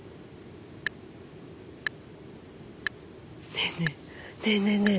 ねえねえねえねえねえ。